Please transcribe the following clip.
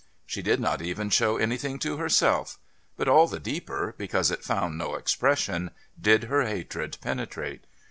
She did not even show anything to herself, but all the deeper, because it found no expression, did her hatred penetrate.